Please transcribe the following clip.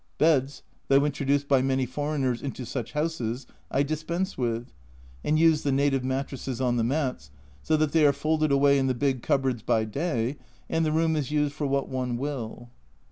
Beds, though introduced by many foreigners intosuch houses, I dispense with, and use the native mattresses on the mats, so that they are folded away in the big cup boards by day and the room is used for what one will.